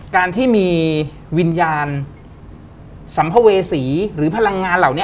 การที่มีวิญญาณสัมภเวษีหรือพลังงานเหล่านี้